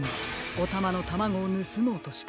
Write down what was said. おたまのタマゴをぬすもうとした。